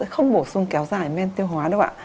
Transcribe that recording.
không bổ sung kéo dài men tiêu hóa đâu ạ